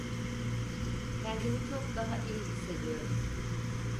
Kendimi çok daha iyi hissediyorum.